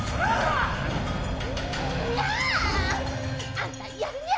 あんたやるニャ。